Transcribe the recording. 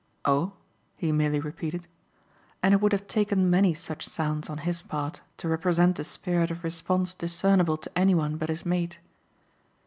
"Oh!" he merely repeated. And it would have taken many such sounds on his part to represent a spirit of response discernible to any one but his mate.